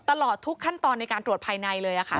ตลอดทุกขั้นตอนในการตรวจภายในเลยค่ะ